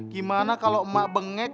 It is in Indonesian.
gimana kalau emak bengek